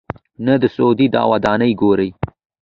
نه د سعودي دا ودانۍ ګوري.